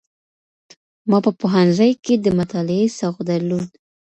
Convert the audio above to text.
ما په پوهنځي کي د مطالعې سوق درلود.